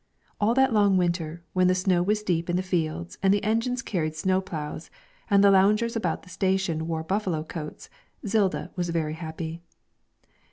All that long winter, when the snow was deep in the fields, and the engines carried snow ploughs, and the loungers about the station wore buffalo coats, Zilda was very happy.